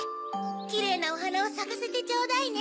キレイなおはなをさかせてちょうだいね！